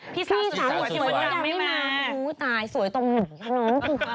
พี่สาวสุดสวยสวยตรงหนู